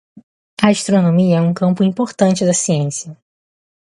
A astronomia é um campo importante da ciência.